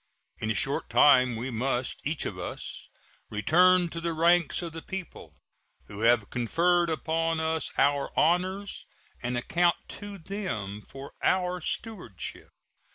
In a short time we must, each of us, return to the ranks of the people, who have conferred upon us our honors, and account to them for our stewardship.